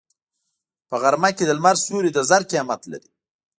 په غرمه کې د لمر سیوری د زر قیمت لري